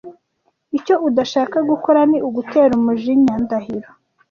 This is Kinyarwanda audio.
Icyo udashaka gukora ni ugutera umujinya Ndahiro .